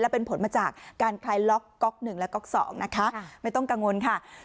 เป็นผลมาจากการคลายล็อกก๊อก๑และก๊อก๒นะคะไม่ต้องกังวลค่ะ